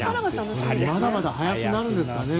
まだまだ速くなるんですかね。